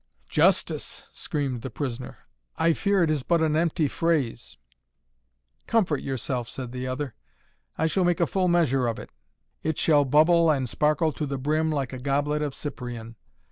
"Justice!" screamed the prisoner. "I fear it is but an empty phrase." "Comfort yourself," said the other. "I shall make a full measure of it! It shall bubble and sparkle to the brim like a goblet of Cyprian.